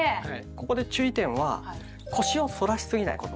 ここで注意点は腰を反らしすぎないこと。